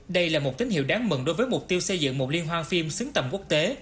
đây là một tín hiệu đáng mừng đối với mục tiêu xây dựng một liên hoan phim xứng tầm quốc tế